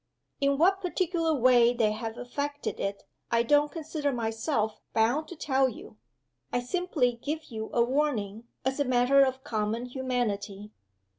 In what particular way they have affected it I don't consider myself bound to tell you. I simply give you a warning, as a matter of common humanity.